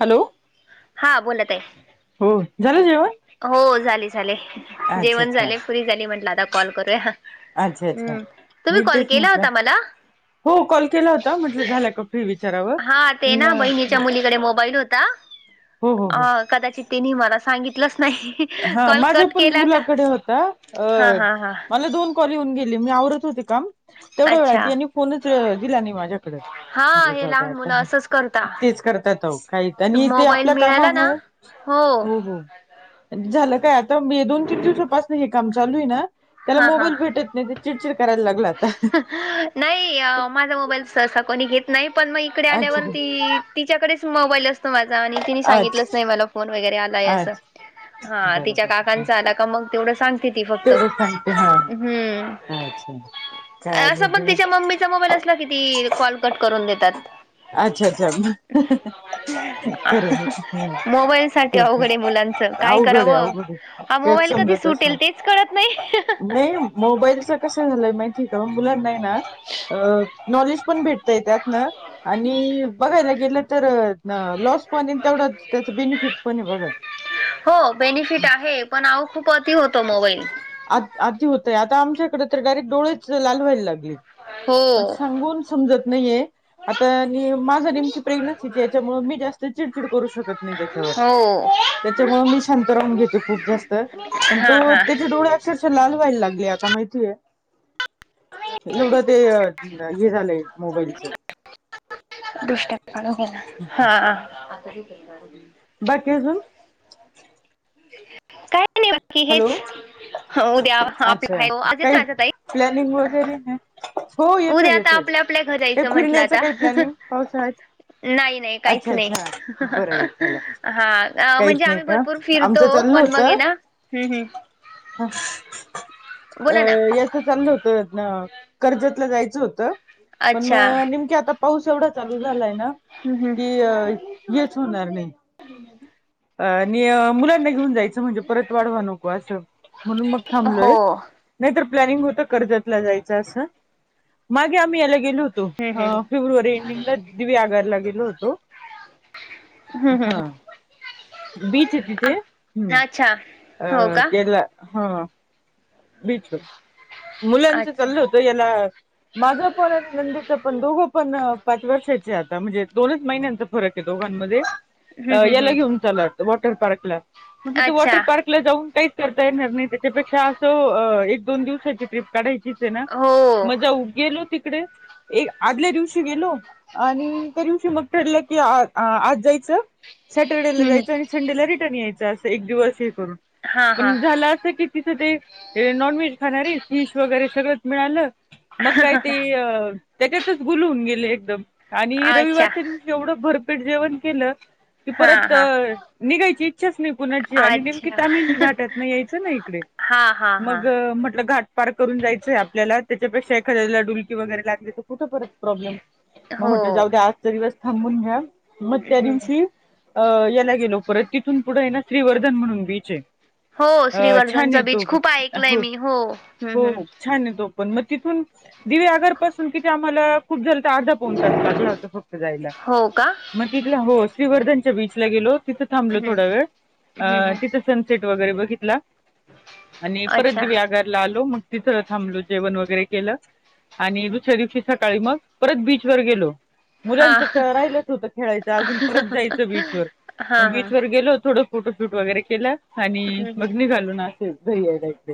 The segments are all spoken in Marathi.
हॅलो. हा बोला ताय. हो झालं जेवन? हो झाले-झाले जेवण अच्छा झाले फ्री झाले म्हटलं आता कॉल करूया. अच्छा अच्छा हम्म, तुम्ही मी कॉल तेच केला म्हटलं होता मला? हो कॉल केला होता म्हटलं झाल्या का फ्री विचारावं पण कडे मोबाईल होता हो हो अ हो कदाचित तिने मला सांगि हा माझ पण का मुलाकडे होता अ हा हा हा मला दोन कॉल येऊन गेली मी आवरत होते काम तेवढ्या वेळात अच्छा यांनी फोनच दिला नाय माझ्याकड. हा म्हटलं हे जाऊद्या लहान मुलं आता असंच करता तेच करता अहो आणि ते मोबाईल आपल्या मिळाला ना कामामुळे हो. झालं काय आता दोन तीन दिवसापास हे काम चालू आय ना त्याला हा हा मोबाईल भेटत नाय ते चिडचिड कराय लाग नाही माझा मोबाईल ससा कोणी घेत नाही. पण मग इकडे अच्छा आल्यावरती तिच्याकडेच मोबाईल असतो माझा, आणि ति अच्छा सांगितलंच नाही मला फोन वगैरे आ लाय असं. अच्छा हा तिच्या बरोबर काकांचा आला का मग तेवढं सांगते ती फक्त तेवढं सांगते हा हम्म. अच्छा. काय आणि असं मग ग तिच्या मम्मीचा मोबाईल असला कि ती कॉल कट करून देतात. अच्छाच्छाच्छा करूदे. मोबाईल साठी अवघड आहे मुलांचं काय अवघड ए करावं अवघड ए हा तेच मोबाईल कधी समजतच सुटेल नाय. तेच कळत नाही नाय मोबाईलच कस झालंय माहि शिकाव मुलांना हाय ना नॉलेज पण भेटतय त्यातन आणि बघायला गेलं तर लॉस पण तेवढ त्याच बेनिफिट पण आय बघा. हो बेनिफिट आहे पण अहो खूप अती होतो मोबाईल. आ- आती होतय आता आमच्या हिकडं तर डायरेक्ट डोळेच लाल व्हायला लागली. पण हो सांगून समजत नाहीये. आता नेम माझ नेमकी प्रेग्नेंसी तेच्यामुळे मी जास्त चिडचिड करू शकत नाय त्याच्यावर. हो त्याच्यामुळ मी शांत राहून घेते खुप जास्त, पण हा पण हा त्याचे डोळे अक्षरशा लाल व्हायला लागले आता माहितीये एवढ ते हे झालय मोबाईलच. दुष्ट्या काढा हो ना हा. बाकी अजून? काय? बाकी हॅलो हेच उद्या अच्छा काही प्लॅनिंग वगैरे [unintelligible] हो येतोय उद्या आता येतोय आपल्या आपल्या घरी काही जायचं म्हंटलं फिरण्याचं आता. काही प्लॅनिंग पावसाळ्यात नाय नाय अच्छा काहीच नाय अच्छा बरं आहे झाला हा काहीच म्हणजे नाही आम्ही का भरपूर आमचं फिरतो चाललं पण मग ये ना होतं हम् हम्, बोला ना. यायचं चाललं कर्जतला जायचं होतं, पण म अच्छा नेमकी आता पाऊस एवढ चालू झालाय ना हम्म की हम्म येच होणार नाय. [inaudible] आणि अ मुलांना घेऊन जायचं म्हणजे परत वाढवा [unintelligible] उपवास म्हणून मग थांबलोय. हो हम्म नाहीतर प्लॅनिंग होतं कर्जतला जायचं असं मागे आम्ही याला गेलो होतो. हम्म अ फेब्रुवारी एंडिंगला दिवेआगारला गेलो होतो. हमं हमं हा हमं. बीच आहे तिथे. अच्छा हो अ का हा बीच आहे मुलांचं अच्छा चाललं होत याला माझं पण आणि नंदेच पण दोघं पण पाच वर्षाचे आता. म्हणजे दोनच महिन्यांच फरक हे दोघांनामध्ये हम्म अ हम्म याला हम्म घेऊन चालला होता. वॉटर पार्कला म्हटलं ते वॉटर अच्छा पार्क तिकडं जाऊन काहीच करता येणार नाही. त्याच्यापेक्षा असं अ एक दोन दिवसाची ट्रिप काढायची हो मग जाऊ गेलो तिकडे एक आदल्या दिवशी गेलो. आणि त्या दिवशी मग ठरलं की आ-आज जायचं. सॅटर्डेला हम्म जायचं आणि संडेला रिटर्न यायचं. अस एक दिवस हे करून हा हा पण झाल [unintelligible] तिथं जे ये नॉनव्हेज खाणारी फिश वगैरे सगळंच मिळालं. मग काय ते अ त्याच्यातच गुलून गेले एकदम आणि अच्छा रविवारच्या दिवशी एवढं भरपेट जेवण केलं की हा परत अ हा निघायची इच्छाच नाही कुणाची आणि नेमकी अच्छा तामिनी घाटातन यायचंना इकडे हा हा हा मग म्हटलं घाट पार करून जायचंय आपल्याला त्याच्यापेक्षा एखाद्याला डुलकी वगैरे लागते कुठं परत प्रॉब्लेम म हो म्हटल जाऊद्या आजचा दिवस थांबून घ्या. मग त्या हम्म दिवशी अ याला गेलो परत तिथून पुढं येना श्रीवर्धन म्हणून बीच आहे. हो अ श्रीवर्धन छान चा येतो बीच ब खूप ऐकले मी हो. हम्म हम्म हो छान आहे तो पण मग तिथून दिवे आगारपासून तिथे आम्हाला खूप जर तर अर्धा पोन तास लागला होता फक्त जायला. हो का मग तिथला हो श्रीवर्धनच्या बीचला गेलो. तिथं थांबलो हम्म थोडा वेळ हम्म अ हम्म तिथं सनसेट वगैरे बघितला आणि परत अच्छा दिवेअआगरला आलो मग तिथ थांबलो जेवण वगैरे केलं. आणि दुसऱ्या दिवशी सकाळी मग परत बीच वर गेलो. हा मुलांचं राहिलंच होतं खेळायचं हा अजून परत जायचं बीचवर मग हा हम्म बीचवर गेलो थोडं फोटोशूट वगैरे केल आणि हम्म मग निघालो [unintelligible] घरी यायला.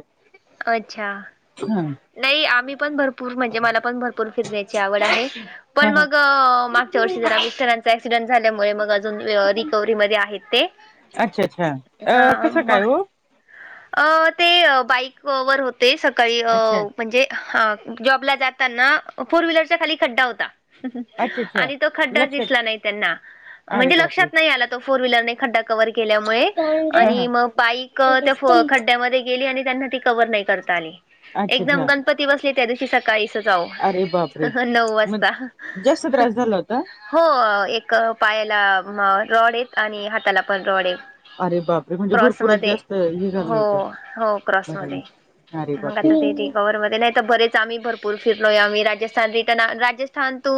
अच्छा. [unintelligible] नाही आम्ही पण भरपूर म्हणजे मला पण भरपूर फिरण्याची आवड आहे. हा पण हा मग मागच्यावर्षी जरा मिस्टरांचा ऍक्सिडेंट झाल्यामुळे मगच अ रिकवरी मध्ये आहेत ते अच्छा अच्छा अ हा कसं मग काय हो अ ते बाईक वर होते सकाळी अ अच्छा म्हणजे जॉबला जाताना फोर व्हीलरचा खाली खड्डा होता अच्छा अच्छा आणि तो खड्डाच लक्षात दिसला नाही त्यांना अरे म्हणजे बापरे लक्षात नाही आला तो फोर व्हीलर नी खड्डा कव्हर केल्यामुळे हा हा आणि मग बाईक अच्छा त्या खड्ड्यामध्ये गेली आणि त्यांना कव्हर करता नाही आली एकदम अच्छा गणपती बसले त्या दिवशी सार काही आवो अरे बापरे नऊ मग वाजता जास्त त्रास झाला होता हो एक पायाला रॉड आणि हाताला पण रॉड आहे. अरे बापरे म्हणजे क्रॉस भरपूरच मध्ये जास्त हे झालं हो होतं हो क्रॉस अरे मध्ये अरे मग आता ते बापरे कवरमध्ये नाही तर बरेच आम्ही भरपूर फिरलोय आम्ही राजस्थान रिटर्न राजस्थान टू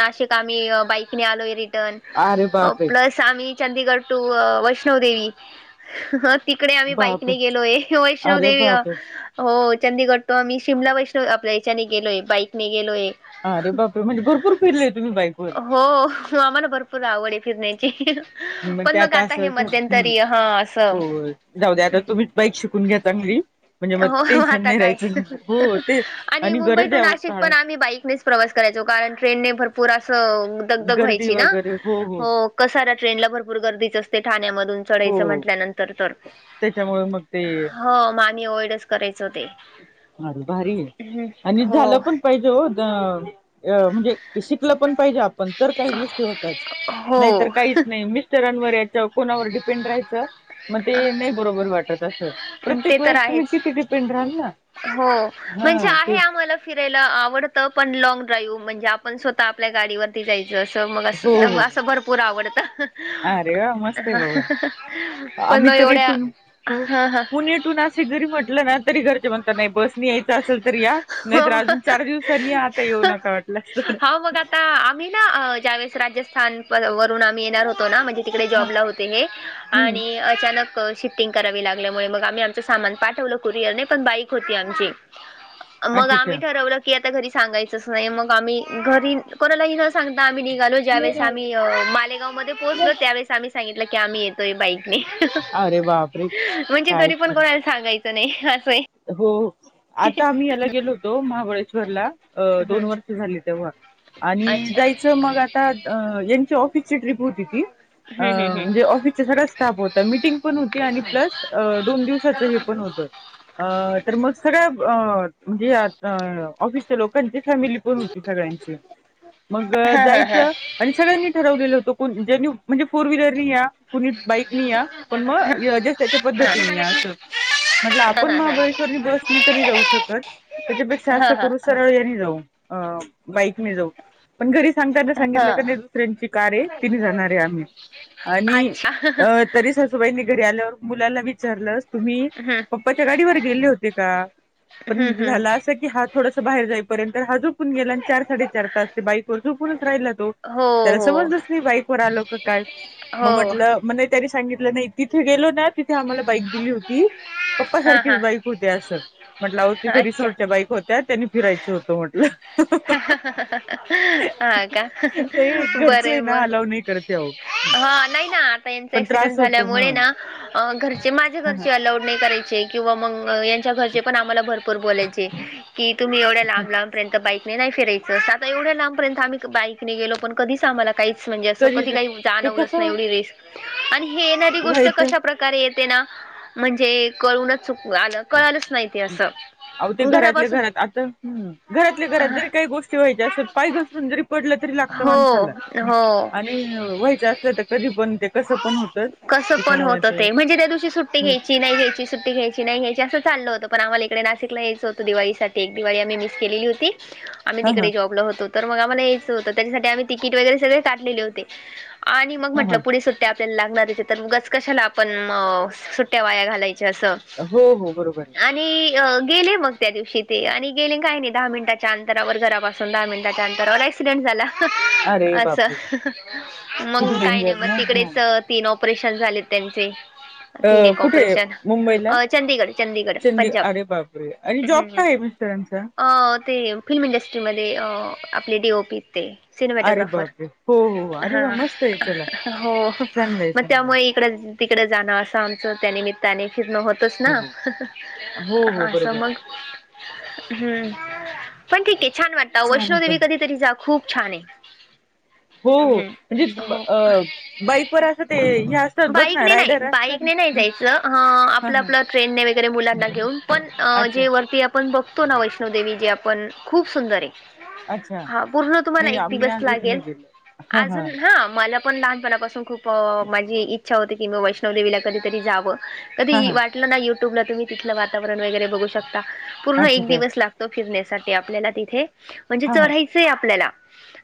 नाशिक आम्ही बाईकने आलोय रि टन अरे बापरे प्लस आम्ही चंदीगड टू वैष्णव देेवी हं हं तिकडे आम्ही बाईकने बापरे गेलोय ए वैष्णव अरे देेवी बापरे हो चंदीगड तो आम्ही शिमला वैष्णव आपल्या ह्याच्याने गेलोय बाईकने गेलोय आरे बापरे! म्हणजे भरपूर फिरलेय तुम्ही बाईक वर? हो आम्हाला भरपूर आवडय फिरण्याची मग ते पण आता अस हे होत हम् मध्यंतरी हा असं होय जाऊ द्या आता तुम्ही बाईक शिकून घ्या चांगली म्हणजे मग हो टेन्शन आता नाही काय राहायचं हो ते आणि मुंबई गरज टू आहे अहो नाशिक पण काळात आम्ही बाईकनेच प्रवास करायचो कारण ट्रेनने भरपूर असं दगदग व्हायची ना? हो कसारा ट्रेनला भरपूर गर्दीच असते ठाण्यामधून चढायचं हो म्हटल्यानंतर तर त्याच्यामुळे मग ते हो आम्ही ॲव्हाॅइडच करायचं ते अरे भारीय आणि हो झालं पण पाहिजे हो अ म्हणजे शिकलं पण पाहिजे आपण तर काही गोष्टी होतात नाही तर हो काहीच नाही मी [unintelligible] कोणावर डिपेंड राहायचं? मग ते नाही बरोबर वाटत असं ते प्रत्येक तर वेळेस तुम्ही आहेच किती डिपेंड राहाल ना? हो म्हणजे हा आहे तेच आम्हाला फिरायला आडतं पण लॉग ड्राईव्ह म्हणजे आपण स्वतः आपल्या गाडीवरती जाय जस मग अस हो हो असं भरपूर आवडतं अरे वा मस्त आहे हं हं बाबा हं पण आम्ही मग एवढ्या? हा हा तू नाशिक जरी म्हटलं ना तरी घरचे म्हणता नाही बस नी यायचं असेल तर या नाहीतर आजून हो चार दिवसांनी आता येऊ नका वाटल्यास तर हा मग आता आम्ही ना ज्यावेळे राजस्थानरून आम्ही येणार होतो ना म्हणजे तिकडे जॉबला होते हे हम्म आणि अचानक शिफ्टिंग करावी लागल्यामुळे मग आम्ही आमचं सामान पाठवलं कुरियरने पण बाईक होती आमची मग अच्छा आम्ही अच्छा ठरवलं की आता घरी सांगायचंच नाही मग आम्ही घरी कोणालाही न सांगता आम्ही निघलो ज्याेळेस आम्ही मालेगाव मध्ये पोहचलो त्यावेळेस आम्ही सांगितलं की आम्ही येतोय बाईक अरे बापरे म्हणजे काय घरी पण खरं कोणाला सांगायचं नाही असंय हो आता आम्ही याला गेलो होतो महाबळेश्वरला अ दोन हम्म वर्ष झाले तेव्हा आणि अच्छा जायचं मग आता यांची ऑफिसची ट्रिप होती ती अ हम्म हम्म हम्म म्हणजे ऑफिसचा सगळा स्टाफ होता मिटिंग पण होती आणि प्लस दोन दिवसाचं हे पण होतं अ तर मग सगळ्या अ म्हणजे अ ऑफिस च लोकांची फॅमिली पण होती सगळ्यांची मग हा हा हा जायचं आणि सगळ्यांनी ठरवलेल होत कोण जे म्हणजे फोर व्हीलर नी या कुणी बाईक नि या पण मग ज्याच्या त्याच्या हा पद्धतीने या अस म्हटलं आप हा हा महाबळेश्वर ला बसने नाही जाऊ शकतं त्यापेक्षा अस हा हा करू सरळ याने जाऊ बाईकने जाऊ पण घरी सांगता येत नसतं हा सांगितल दुसऱ्याची कारय, तेणे जाणारे आम्ही आणि अच्छा तरी सासूबाईंनी घरी आल्यावर मुलाला विचारलं तुम्ही? हंम् च्या गाडीवर गेले होते का? हम्म पण झालं हम्म अस की हा थोडसं बाहेर जाय पर्यंत हा झोपुन गेला आण चार साडे चार तास ते बाईक वर झोपूनच राहिला तो हो त्याला हो समजलंच नायी बाईक वर आलो का काय मग हो म्हटलं म त्यानी सांगितलं, नाही तिथे गेलो ना, तिथे आम्हाला बाईक दिली होती. पप्पा हां सारखीच हां बाईक होते आसं म्हटलं. आहो तिथे अच्छा रिसॉर्टच्या बाईक होत्या, त्यांनी फिरायचं होतं म्हटल. हा का ते बर घरचे आहे ना मग. अलाव नाही करते अहो हा नाही ना आता यांचा पण एकक्सिडेंट त्रास होतो हा झाल्यामुळे ना घरचे, माझ्या हा हा. घरचे अलाउड नाही करायचे. किंवा मंग यांच्या घरचे पण आम्हाला भरपूर बोलायचे, कि तुम्ही एवढ्या लांब लांबपर्यंत बाईक मी नाही फीरायचं आता एवढ्या लांबपर्यंत आम्ही बाईकने गेलो पण कधीच आम्हाला काहीच म्हणजे, असं कधी काही ते जाणवलंच नाही. कसं एवढी रिस्क आणि हे येणारी गोष्ट व्हायचं कशा प्रका तर येते ना म्हणजे कळूनच चुक आलं. कळालंच नाही ते असं. अहो ते घरातल्या घरापासून घरात घरातल्या घरात जरी काही गोष्टी व्हायच्या असेल पाय घसरुन जरी पडलं तरी लागतं हो माणसाला हो आणि व्हायचं असलं तर कधी पण ते कसं पण होतच. कसपण होतं ते म्हणजे त्या दिवशी सुट्टी हो घ्यायची. सुट्टी नाही घ्यायची सुट्टी घ्यायची नाही असं चाललं होत. पण आम्हाला इकडे नाशिकला यायचं होतं दिवाळीसाठी. एक दिवाळी आम्ही मिस केलेली होती. [inaudible] आम्ही तिकडे जॉबल होतो, तर मग आम्हाला यायच होतं, त्याच्यासाठी आम्ही तिकीट वगैरे सगळे काढलेले होते. आणि मग हा हा म्हटलं पुढे चल. ते आपल्याला लागणारच तीथे तर उगाच कशाला आपण म सुट्ट्या वाया घालायचे असं. पण बरं झालं असं पण वाटतं एकदा आणि गेले मग त्या दिवशी ते आणि गेले काय नाही दहा मिनिटाच्या अंतरावर घरापासून दहा मिनटाच्या अंतरावर. एक्सिडेंट झाला अरे आस? बापरे किती मंग काही नाही डेंजर मग ना हा तिकडेच तीन ऑपरेशन झाले त्यांचे अ तिनेक कुठे ऑपरेशन मुंबईला अ चंदिगड चंदिगड चंदी पंजाब अरे बापरे आणि जॉब हम. काय आहे मिस्टरांचा अ ते फिल्म इंडस्ट्रीमध्ये, अ आपले डीओ पी आहेत ते. अरे सिनेमॅटोग्राफर बापरे हो हो अरे हा वा मस्त आहे चला हो चांगलं आहे म चांगलं त्यामुळे त्र तिकडे जाणं आसं आमचं त्या निमित्ताने फिरण होत. तच ना? आहे हो हो आसं बरोबर मग. आहे हम्म पण ठीक आहे, छान वाटत. चालेल पण वैष्णोदेवी कधीतरी जा खूप छान आहे. हो हो. हम्म म्हणजे हो अ बाईकवर असं ते हे असतात बघ ना, बाईकने नाही रायडर असतात. बाईकने नाही ना जायचं. हा आपलं हा आपलं ट्रेनने वगैरे मुलांना घेऊन पण अच्छा जे वरती पण बघतो ना वैष्णोदेवी जे आपण खूप सुंदर आहे. अच्छा. हा पूर्ण तुम्हाला नाही एक आम्ही दिवस अजून लागेल. नाही गेलो हा अजून हा मला. आपण लहानपणापासून खूप माझी इच्छा होती की मी वैष्णव देवीला कधीतरी जावं हा कधी हा वाट ना युट्यूबला तुम्ही तिथलं वातावरण वगैरे बघू शकता, पूर्ण अच्छा एक तर दिवस लाग तो फिरण्यासाठी आपल्याला तिथे म्हणजे हा हा चढायचंय आपल्याला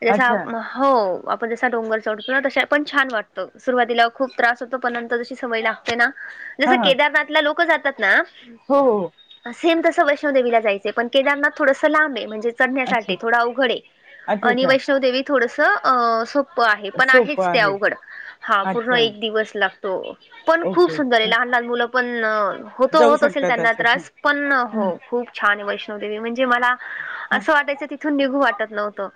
जस अच्छा आप हो आपण जसा डोंगर चढतो ना तशा, पण छान वाटत. सुरुवातीला खूप त्रास होतो, पण नंतर जशी सवय ला त ना, जस हा हा केदारनाथला लोक जातात ना हो हो हो. सेम तसं वैष्णवदेवीला जायचंय. पण केदारनाथ थोडसं लांब आहे म्हणजे अच्छा चढण्यासाठी थोड अवघड आहे. अच्छा आणि अच्छा वैष्णवदेवी थोडसं अं सोप्पं आहे पण सोपं आहेच ते आहे अवघड. हा पूर्ण अच्छा एक दिवस लागतो. पण खूप ओके सुंदर आहे ओके लहान लहान मुलं पण अ होतो जाऊ होत असेल शकतात त्यांना असं त्रास, पण हो खूप छान आहे वैष्णोदेवी. म्हणजे मला असं वाटायचं तिथून निघू वाट नव्हतं.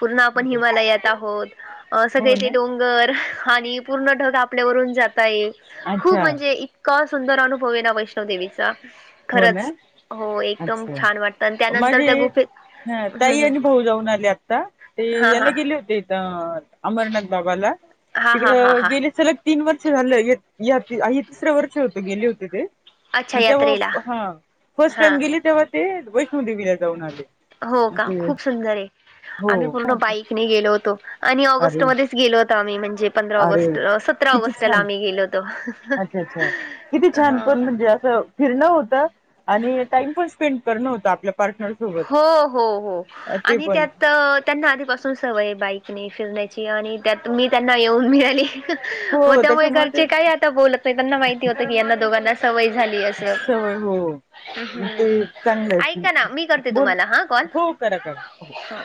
पूर्ण आपण हिमालयात आहोत अ सगळे हो ते ना डो वर आणि पूर्ण ढग आपल्यावरून जाताये खूप अच्छा मणजे इ का सुंदर अनुभव आये ना वैष्णोदेवीचा. हो खरंच ना हो एकदम छान वाटतं आणि त्यानंतर त्या गुफे हा ताई आणि भाऊ जाऊन आले आत्ता. ते हां याला हां गेले होतेत अमरनाथ बाबाला हां तिकड हां हां हां गेले सल तीन वर्ष झालं ये या हे तिसर वर्ष होत गेले होते ते अच्छा मग तेव्हा यात्रेला हा फर्स्ट हां टाइम गेले तेव्हा ते वैष्णोदेवीला जाऊन आले. हो का ते खूप सुंदरय हो आमी पूर्ण बाईकने गेलो होतो आणि अरे ऑगस्टमदे गेलो ओतो आम्ही म्हणजे पंधरा अरे ऑगस्ट सतरा किती ऑगस्टला छान आम्ही गेलो होतो. अच्छा अच्छा किती छान हां पण मणजे असं फिरणं होतं आणि टाइम पण स्पेंड करणं होत आपल्या पार्टनर सोबत हो हो हो ते आणि पण त्यात तर त्यांना आदिपासून सवय ये बाईकने फिरण्याची आणि त्यात मी त्यांना येऊन मिळाली. मग हो त्यामुळे त्याच्यामुळे घरचे ते काय आता बोलत नाही त्यांना माहिती होतं यांना दोघांना सवय झाली अस. सवय हो म ते चांगलाय. ऐका ना मी करते बोल तुम्हाला हा कॉल. हो करा करा. हा